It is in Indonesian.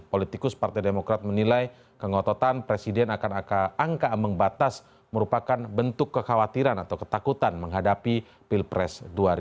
politikus partai demokrat menilai kengototan presiden akan angka ambang batas merupakan bentuk kekhawatiran atau ketakutan menghadapi pilpres dua ribu sembilan belas